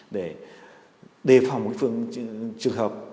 đề phòng cái phương trường hợp